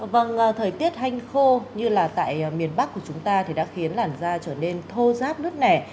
vâng thời tiết hanh khô như là tại miền bắc của chúng ta thì đã khiến làn da trở nên thô giáp nứt nẻ